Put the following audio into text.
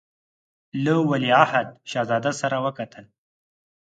له ولیعهد شهزاده سره وکتل.